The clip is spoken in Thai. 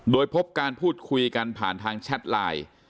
โดยพบการพูดคุยกันผ่านทางแชทไลน์